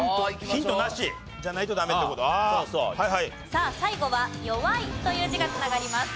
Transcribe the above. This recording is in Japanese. さあ最後は「弱い」という字が繋がります。